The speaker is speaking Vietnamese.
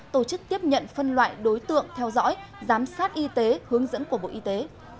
tổ chức tiếp nhận phân loại đối tượng theo dõi giám sát y tế hướng dẫn của bộ y tế